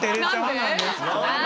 なんで？